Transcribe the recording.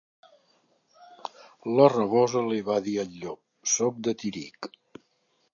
La rabosa li va dir al llop: «Soc de Tírig».